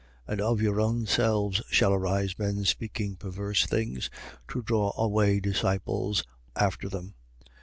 20:30. And of your own selves shall arise men speaking perverse things, to draw away disciples after them.